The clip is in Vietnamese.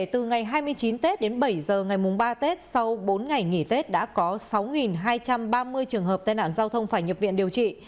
từ chín tết đến bảy giờ ngày mùng ba tết sau bốn ngày nghỉ tết đã có sáu hai trăm ba mươi trường hợp tai nạn giao thông phải nhập viện điều trị